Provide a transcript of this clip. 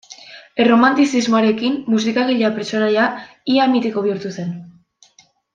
Erromantizismoarekin, musikagilea pertsonaia ia mitiko bihurtu zen.